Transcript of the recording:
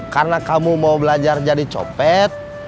karena kamu mau belajar jadi copet